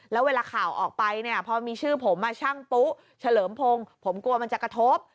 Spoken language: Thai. แล้วเวลาข่าวออกไปเนี่ยพอมีชื่อผมช่างปุ๊เฉลิมพงศ์ผมกลัวมันจะกระทบ